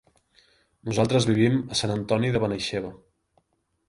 Nosaltres vivim a Sant Antoni de Benaixeve.